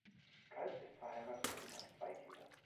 Culp ist verheiratet und hat zwei Kinder.